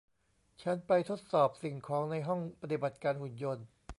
ฉันไปทดสอบสิ่งของในห้องปฏิบัติการหุ่นยนต์